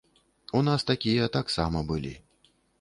У нас такія таксама былі.